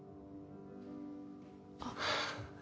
あっ。